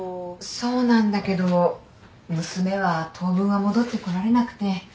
そうなんだけど娘は当分は戻ってこられなくて。